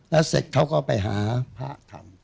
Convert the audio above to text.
แล้วเสร็จเขาก็ไปหาพระทำ